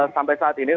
sampai saat ini